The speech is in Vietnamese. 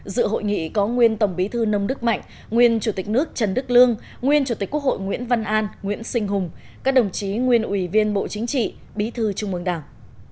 dự hội nghị có nguyên tổng bí thư nông đức mạnh nguyên chủ tịch nước trần đức lương nguyên chủ tịch quốc hội nguyễn văn an nguyễn sinh hùng các đồng chí nguyên ủy viên bộ chính trị bí thư trung mương đảng